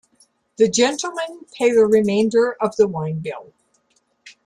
The gentlemen pay the remainder of the wine bill.